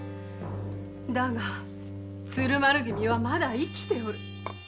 だが鶴丸君はまだ生きておる。